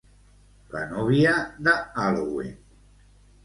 La núvia de Halloween.